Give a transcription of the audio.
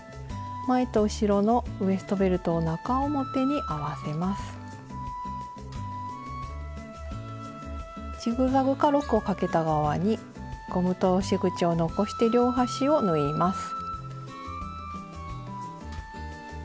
前と後ろのウエストベルトをジグザグかロックをかけた側にゴム通し口を残して両端を縫います。